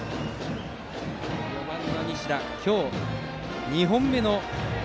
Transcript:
４番、西田今日２本目。